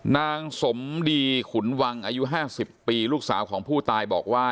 นางสมดีขุนวังอายุ๕๐ปีลูกสาวของผู้ตายบอกว่า